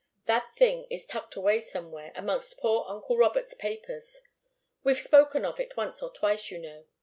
That thing is tucked away somewhere amongst poor uncle Robert's papers. We've spoken of it once or twice, you know.